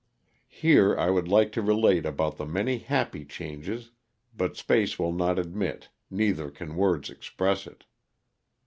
Here 1 would like to relate about the many happy changes, but space will not admit, neither can words express it.